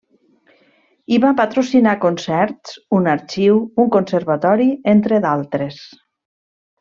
I va patrocinar concerts, un arxiu, un conservatori entre d’altres.